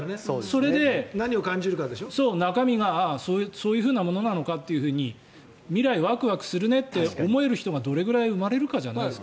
それで中身がそういうものなのかって未来ワクワクするねって思える人がどれくらい生まれるかじゃないですか？